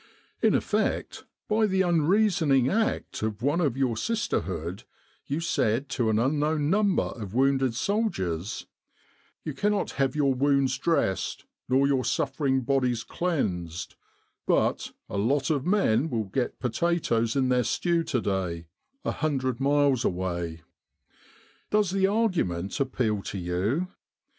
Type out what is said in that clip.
In effect, by the unreasoning act of one of your sisterhood, you said to an unknown number of wounded soldiers, 4 You cannot have your wounds dressed, nor your suffering bodies cleansed, but a lot of men will get potatoes in their stew to day a hundred miles away.' Does the argument appeal to you